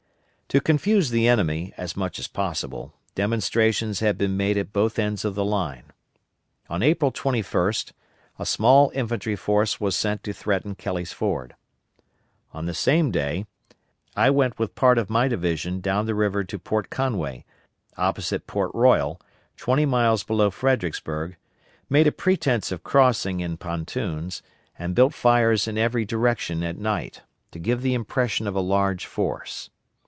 To confuse the enemy as much as possible, demonstrations had been made at both ends of the line. On April 21st a small infantry force was sent to threaten Kelly's Ford. On the same day, I went with part of my division down the river to Port Conway, opposite Port Royal, twenty miles below Fredericksburg, made a pretence of crossing in pontoons, and built fires in every direction at night, to give the impression of a large force.